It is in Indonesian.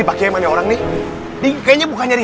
pakai manya orang nih di kayaknya bukannya di